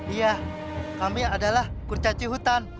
iya kami adalah kurcaci hutan